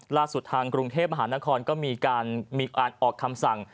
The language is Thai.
ทางกรุงเทพมหานครก็มีการออกคำสั่ง